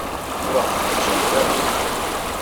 Ur aɣ-t-id-ǧǧant ara.